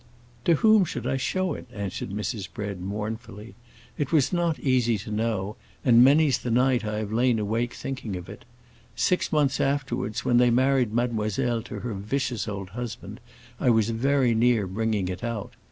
"To whom should I show it?" answered Mrs. Bread, mournfully. "It was not easy to know, and many's the night I have lain awake thinking of it. Six months afterwards, when they married Mademoiselle to her vicious old husband, I was very near bringing it out.